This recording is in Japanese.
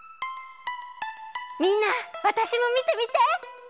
みんなわたしもみてみて！